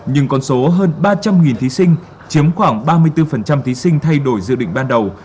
nhưng con số hơn ba trăm linh thí sinh chiếm khoảng ba mươi bốn thí sinh thay đổi dự định ban đầu